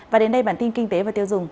và đến đây bản tin kinh tế và tiêu dùng